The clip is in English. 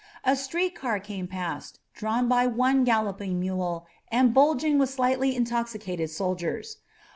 A street car came past, drawn by one galloping mule and bulging with slightly intoxicated soldiers.